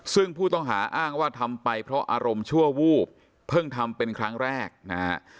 ซึ่งผู้ต้องหาอ้างว่าทำไปเพราะอารมณ์ชั่ววูบเพิ่งทำเป็นครั้งแรกนะฮะ